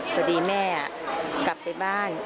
พอดีแม่กลับไปบ้าน